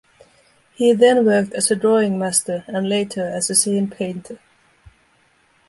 He then worked as a drawing-master, and later as a scene-painter.